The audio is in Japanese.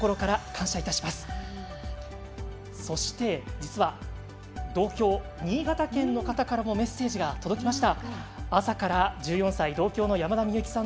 実は、同郷、新潟県の方からもメッセージがきました。